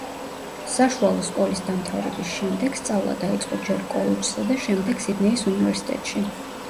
საშუალო სკოლის დამთავრების შემდეგ სწავლა დაიწყო ჯერ კოლეჯსა და შემდეგ სიდნეის უნივერსიტეტში.